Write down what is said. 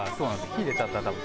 火入れちゃったら多分。